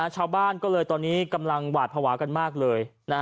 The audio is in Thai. ชาวบ้านก็เลยตอนนี้กำลังหวาดภาวะกันมากเลย